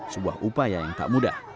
sebuah upaya yang tak mudah